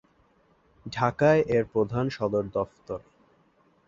ঢাকায় এর প্রধান সদর দফতর।